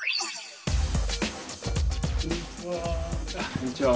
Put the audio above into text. こんにちは。